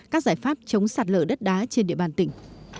các giải pháp chống sạt lở đất đá trên địa bàn tỉnh